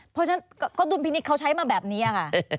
เพราะฉะนั้นก็ดุลพินิษฐ์เขาใช้มาแบบนี้ค่ะ